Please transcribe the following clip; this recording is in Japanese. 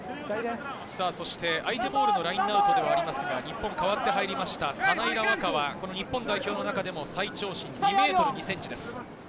相手ボールのラインアウトとなりますが、日本、代わって入りました、サナイラ・ワクァは日本代表の中の最長身、２ｍ２ｃｍです。